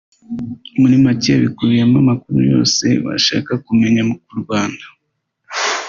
muri make bikubiyemo amakuru yose washaka kumenya ku Rwanda